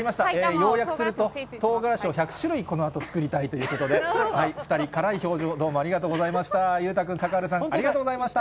要約すると、とうがらしを１００種類作りたいということで、２人、辛い表情、どうもありがとうございました。